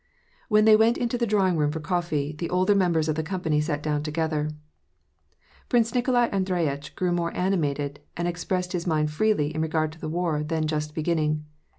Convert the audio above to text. When they went into the drawing room for coffee, the older members of the company sat down together. Prince Nikolai Andreyitch grew more animated, and ex pressed his mind freely in regard to the war then just beginning.